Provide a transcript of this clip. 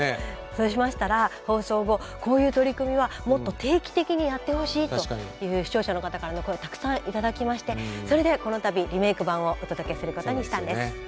そうしましたら放送後こういう取り組みはもっと定期的にやってほしいという視聴者の方からの声たくさん頂きましてそれでこの度リメーク版をお届けすることにしたんです。